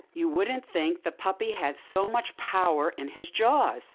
You wouldn't think that pup had so much power in his jaws."